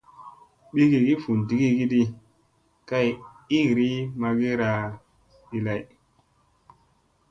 Bigigi vundigigi kay iiri magira ɗi lay.